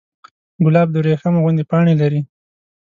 ګلاب د وریښمو غوندې پاڼې لري.